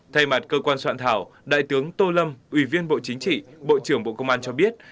thay mặt cơ quan soạn thảo đại tướng tô lâm ủy viên bộ chính trị bộ trưởng bộ công an cho biết